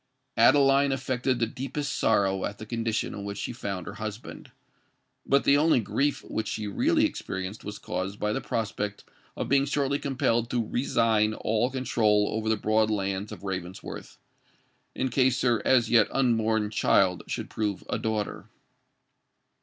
Adeline affected the deepest sorrow at the condition in which she found her husband;—but the only grief which she really experienced was caused by the prospect of being shortly compelled to resign all control over the broad lands of Ravensworth, in case her as yet unborn child should prove a daughter.